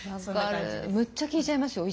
むっちゃ聞いちゃいますよ。